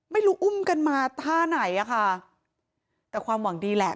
ไม่รู้อุ้มกันมาท่าไหนอ่ะค่ะแต่ความหวังดีแหละ